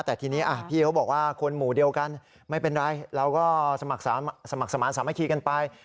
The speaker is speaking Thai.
แต่ทีนี้พี่เขาบอกว่าคนหมู่เดียวกันไม่เป็นไรเราก็สมัครสมาธิสามัคคีกันไป